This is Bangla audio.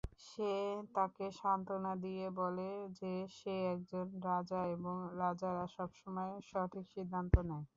সে তাকে সান্ত্বনা দিয়ে বলে যে সে একজন রাজা এবং রাজারা সবসময় সঠিক সিদ্ধান্ত নেয়।